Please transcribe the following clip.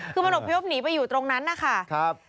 คือมนต์พยพหนีไปอยู่ตรงนั้นนะคะนะครับค่ะ